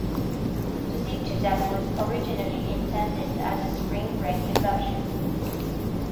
The Zip to Zap was originally intended as a spring break diversion.